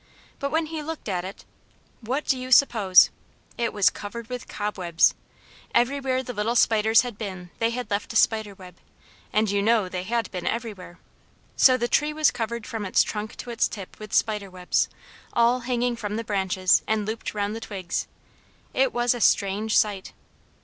But when he looked at it what do you suppose? it was covered with cobwebs! Everywhere the little spiders had been they had left a spider web; and you know they had been everywhere. So the tree was covered from its trunk to its tip with spider webs, all hanging from the branches and looped round the twigs; it was a strange sight.